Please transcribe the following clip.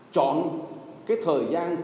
chọn cái thời gian